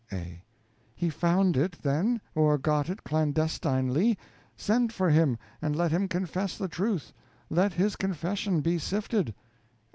A. He found it, then, or got it clandestinely; send for him, and let him confess the truth; let his confession be sifted.